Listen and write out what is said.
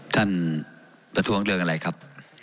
ท่านประทวงเรียงอะไรครับ